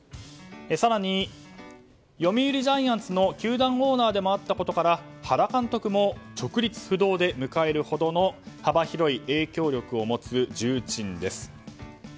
更に、読売ジャイアンツの球団オーナーでもあったことから原監督も直立不動で迎えるほどの幅広い影響力を持つ重鎮です。